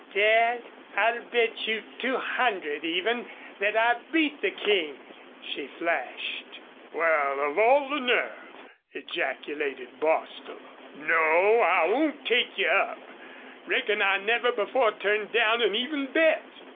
"Dad, I'll bet you two hundred, even, that I beat the King!" she flashed. "Wal, of all the nerve!" ejaculated Bostil. "No, I won't take you up. Reckon I never before turned down an even bet.